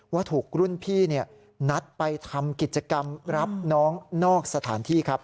ว่าถูกรุ่นพี่นัดไปทำกิจกรรมรับน้องนอกสถานที่ครับ